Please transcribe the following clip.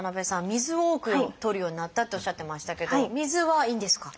水を多くとるようになったっておっしゃってましたけど水はいいんですか？